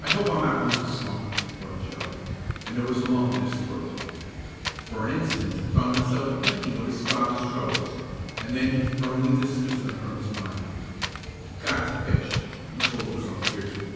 "I hope I'm not going to slump!" thought Joe and there was a lump in his throat. For an instant he found himself thinking of his father's troubles, and then he firmly dismissed them from his mind. "I've got to pitch!" he told himself fiercely.